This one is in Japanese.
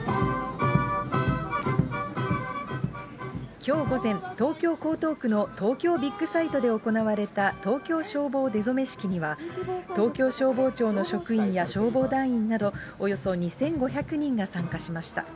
きょう午前、東京・江東区の東京ビッグサイトで行われた東京消防出初式には、東京消防庁の職員や消防団員など、およそ２５００人が参加しました。